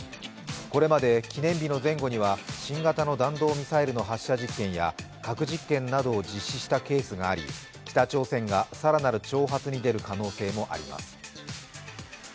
これまで記念日の前後には新型の弾道ミサイルの発射実験や核実験などを実施したケースがあり北朝鮮が更なる挑発に出る可能性もあります。